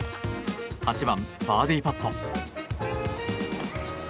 ８番、バーディーパット。